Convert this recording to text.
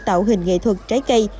tạo hình nghệ thuật trái cây